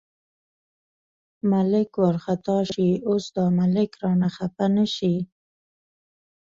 ملک وارخطا شي، اوس دا ملک رانه خپه نه شي.